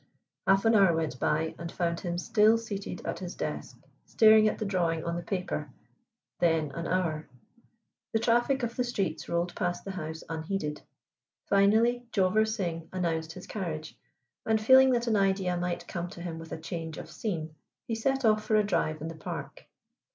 Half an hour went by and found him still seated at his desk, staring at the drawing on the paper, then an hour. The traffic of the streets rolled past the house unheeded. Finally Jowur Singh announced his carriage, and, feeling that an idea might come to him with a change of scene, he set off for a drive in the Park.